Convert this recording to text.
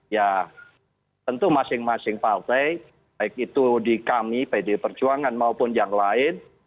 ya tentu masing masing partai baik itu di kami pdi perjuangan maupun yang lain